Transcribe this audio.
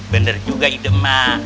bener juga ide ma